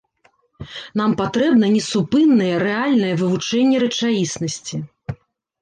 Нам патрэбна несупыннае рэальнае вывучэнне рэчаіснасці.